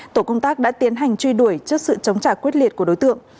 tổ công tác đã tiến hành truy đuổi trước sự chống trả quyết liệt của đối tượng